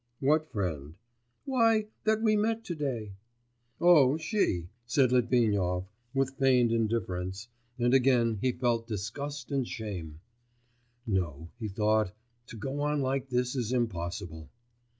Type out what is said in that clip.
'What friend?' 'Why, that we met to day.' 'Oh, she!' said Litvinov, with feigned indifference, and again he felt disgust and shame. 'No!' he thought, 'to go on like this is impossible.